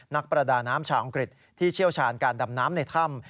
นักประดาน้ำชาวอังกฤษที่เชี่ยวชาญการดำน้ำในถ้ำ